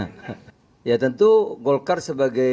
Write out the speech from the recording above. lihat aja itu pak erlangga kerutan semua tuh wajahnya